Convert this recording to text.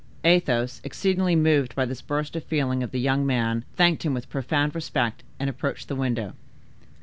Athos, exceedingly moved by this burst of feeling of the young man, thanked him with profound respect, and approached the window.